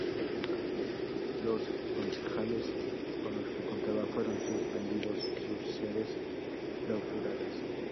Los concejales con los que contaba fueron suspendidos y sus sedes clausuradas.